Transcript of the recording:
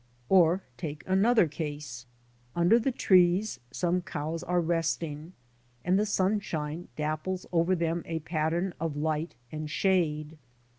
Or, take another case. Under the trees some cows are resting, and the sunshine dapples over them a pattern of light and shade.